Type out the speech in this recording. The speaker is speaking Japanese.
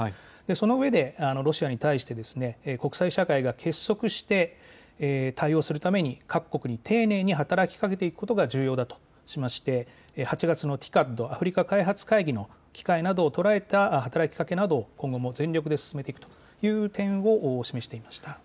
その上でロシアに対して国際社会が結束して対応するために各国に丁寧に働きかけていくことが需要だとしまして８月のＴＩＣＡＤ＝アフリカ開発会議の機会などを捉えた働きかけなど今後も全力で進めていくという点を示していました。